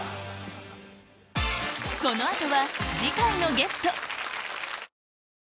この後は次回のゲスト